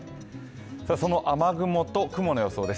その雨雲と雲の予想です。